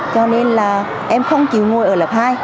cho nên là em không chỉ ngồi ở lớp hai